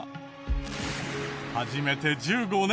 始めて１５年。